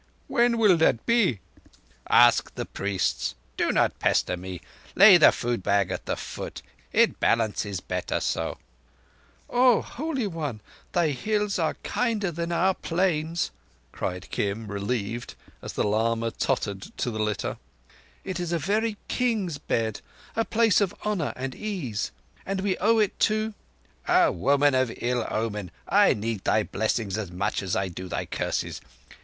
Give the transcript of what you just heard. "When will that be?" "Ask the priests. Do not pester me. Lay the food bag at the foot, it balances better so." "Oh, Holy One, thy Hills are kinder than our Plains!" cried Kim, relieved, as the lama tottered to the litter. "It is a very king's bed—a place of honour and ease. And we owe it to—" "A woman of ill omen. I need thy blessings as much as I do thy curses.